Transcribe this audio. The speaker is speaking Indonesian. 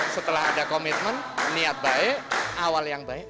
setelah ada komitmen niat baik awal yang baik